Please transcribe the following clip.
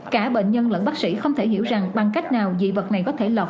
cả bệnh nhân lẫn bác sĩ không thể hiểu rằng bằng cách nào dị vật này có thể lọc